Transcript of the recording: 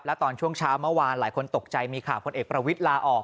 แล้วตอนช่วงเช้าเมื่อวานหลายคนตกใจมีข่าวพลเอกประวิทย์ลาออก